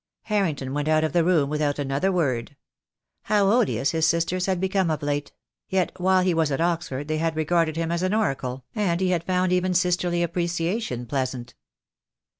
Harrington went out of the room without another word. How odious his sisters had become of late; yet while he was at Oxford they had regarded him as an oracle, and he had found even sisterly appreciation pleasant.